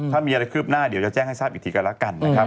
ถ้ามีอะไรคืบหน้าเดี๋ยวจะแจ้งให้ทราบอีกทีกันแล้วกันนะครับ